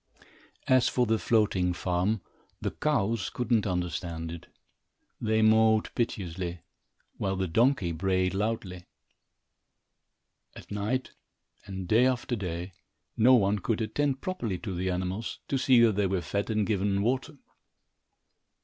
As for the floating farm, the cows could not understand it. They mooed piteously, while the donkey brayed loudly. At night, and day after day, no one could attend properly to the animals, to see that they were fed and given water.